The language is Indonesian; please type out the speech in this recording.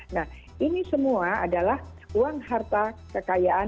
nah ini semua adalah uang harta kekayaan